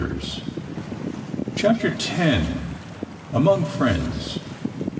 CHAPTER X. AMONG FRIENDS.